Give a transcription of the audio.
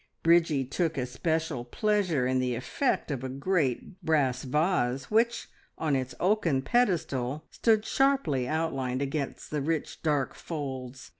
Bridgie took especial pleasure in the effect of a great brass vase which, on its oaken pedestal, stood sharply outlined against the rich, dark folds.